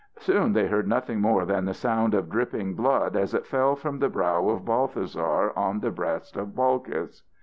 Soon they heard nothing more than the sound of dripping blood as it fell from the brow of Balthasar on the breast of Balkis.